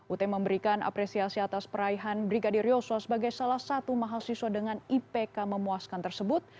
ut memberikan apresiasi atas peraihan brigadir yosua sebagai salah satu mahasiswa dengan ipk memuaskan tersebut